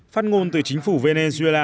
phát ngôn từ chính phủ venezuela